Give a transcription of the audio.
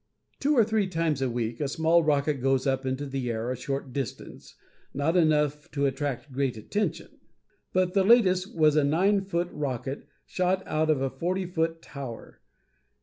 Two or three times a week a small rocket goes up into the air a short distance, not enough to attract great attention. But the latest was a nine foot rocket, shot out of a forty foot tower.